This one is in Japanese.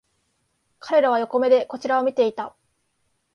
彼らは横目でこちらを見ていた